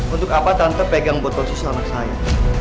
untuk apa tante pegang botol susu anak saya